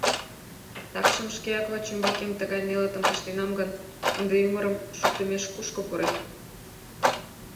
Такшым шкеак вачӱмбакем тыгай нелытым пыштенам гын, ынде ӱмырым шуктымеш кушко пурет?